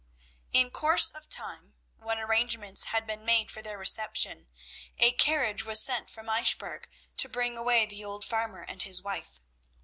In course of time, when arrangements had been made for their reception, a carriage was sent from Eichbourg to bring away the old farmer and his wife.